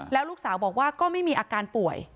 แล้วลูกสาวบอกว่าก็ไม่มีอาการป่วย